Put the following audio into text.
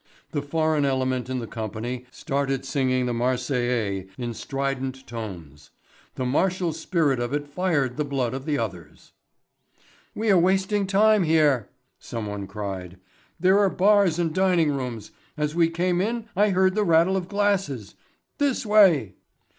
The foreign element in the company started singing the Marseillaise in strident tones. The martial spirit of it fired the blood of the others. "We are wasting time here," someone cried. "There are bars and dining rooms. As we came in I heard the rattle of glasses. This way."